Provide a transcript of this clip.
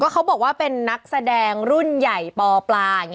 เขาบอกว่าเป็นนักแสดงรุ่นใหญ่ปอปลา